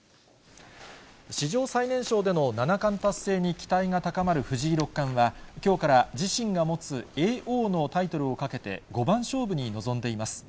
史上最年少での七冠達成に期待が高まる藤井六冠は、きょうから自身が持つ叡王のタイトルをかけて、五番勝負に臨んでいます。